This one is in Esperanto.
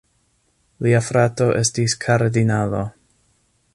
Lia frato estis kardinalo.